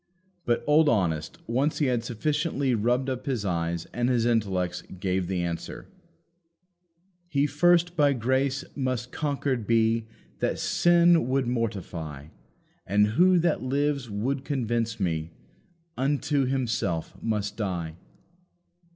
But old Honest, once he had sufficiently rubbed up his eyes and his intellects, gave the answer: "He first by grace must conquered be That sin would mortify. And who, that lives, would convince me, Unto himself must die."